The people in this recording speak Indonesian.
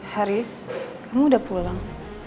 haris kamu udah pulang